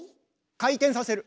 回転させる。